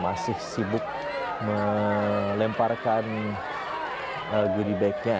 masih sibuk melemparkan goodie bag nya